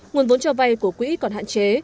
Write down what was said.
nguồn vốn cho vay của quỹ còn hạn chế